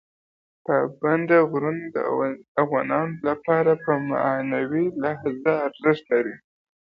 پابندي غرونه د افغانانو لپاره په معنوي لحاظ ارزښت لري.